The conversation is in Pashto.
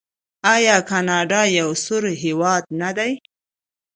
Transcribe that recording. آیا کاناډا یو سوړ هیواد نه دی؟